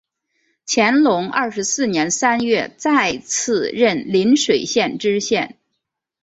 乾隆二十四年三月再次任邻水县知县。